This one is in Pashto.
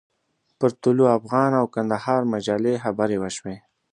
پر طلوع افغان او کندهار مجلې خبرې وشوې.